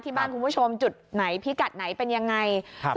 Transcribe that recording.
ที่บ้านคุณผู้ชมจุดไหนพิกัดไหนเป็นอย่างไร